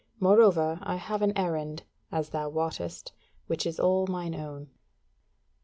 Moreover, I have an errand, as thou wottest, which is all mine own."